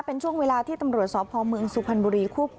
เป็นช่วงเวลาที่ตำรวจสพมสุพันบุรี